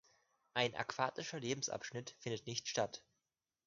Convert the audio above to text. Ein aquatischer Lebensabschnitt findet nicht statt.